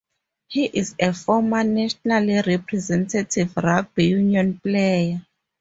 He is a former national representative rugby union player.